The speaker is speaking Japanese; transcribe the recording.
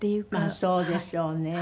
そうでしょうね。